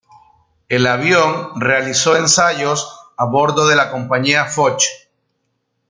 El avión realizó ensayos a bordo de la Compañía Foch.